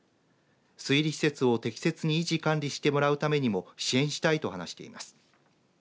水利施設を適切に維持管理してもらうためにも支援したいと話しています。